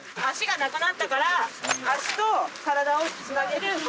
足がなくなったから足と体をつなげる。